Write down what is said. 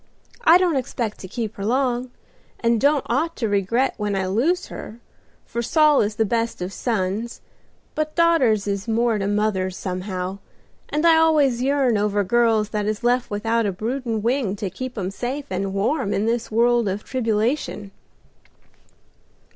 I don't expect to keep her long, and don't ought to regret when I lose her, for Saul is the best of sons; but daughters is more to mothers somehow, and I always yearn over girls that is left without a broodin' wing to keep 'em safe and warm in this world of tribulation."